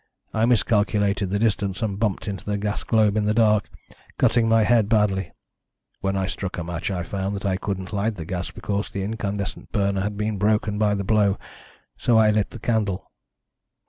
I miscalculated the distance, and bumped into the gas globe in the dark, cutting my head badly. When I struck a match I found that I couldn't light the gas because the incandescent burner had been broken by the blow, so I lit the candle.